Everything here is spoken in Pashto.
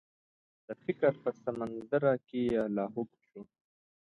د فکر په سمندر کې لاهو شو.